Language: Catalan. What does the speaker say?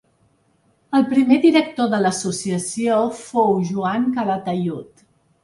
El primer director de l'associació fou Joan Calatayud.